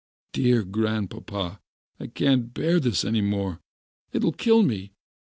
Dear Grandpapa, I can't bear this any more, it'll kill me...